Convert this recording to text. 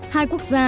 hai quốc gia